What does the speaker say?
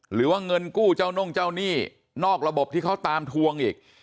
หรือว่าเงินกู้เจ้าน่งเจ้าหนี้นอกระบบที่เขาตามทวงอีก